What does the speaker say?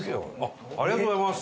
ありがとうございます。